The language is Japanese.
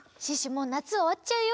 もうなつおわっちゃうよ。